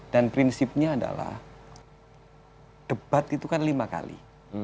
dan prinsipnya adalah debat itu kan lima kali